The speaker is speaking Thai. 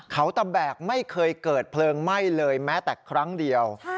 เขาตะแบกไม่เคยเกิดเพลิงไหม้เลยแม้แต่ครั้งเดียว